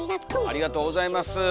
ありがとうございます。